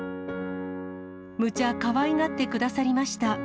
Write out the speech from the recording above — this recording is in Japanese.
むちゃかわいがってくださりました。